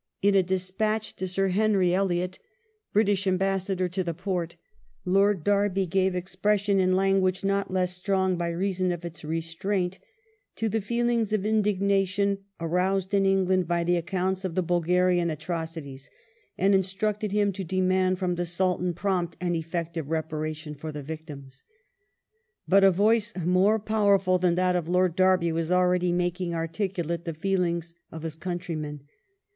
In a despatch ^ to Sir Henry Elliot, Brit ish Ambassador to the Porte, Lord Derby gave expression, in language not the less strong by reason of its restraint, to the feel ings of indignation aroused in England by the accounts of the Bulgarian atrocities, and instructed him to demand from the Sultan prompt and effective reparation for the victims. Mr. Glad But a voice more powerful than that of Lord Derby was already stone's makinff articulate the feelings of his countrymen.